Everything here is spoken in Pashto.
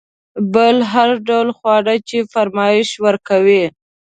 بل هر ډول خواړه چې فرمایش ورکوئ.